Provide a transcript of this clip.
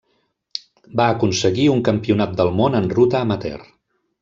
Va aconseguir un Campionat del món en ruta amateur.